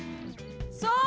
そう！